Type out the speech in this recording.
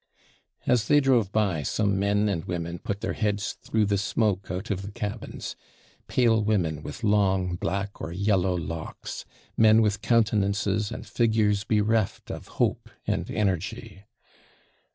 As they drove by, some men and women put their heads through the smoke out of the cabins; pale women with long, black, or yellow locks men with countenances and figures bereft of hope and energy.